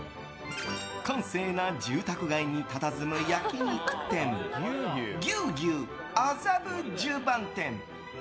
閑静な住宅街にたたずむ焼き肉店牛牛麻布十番店。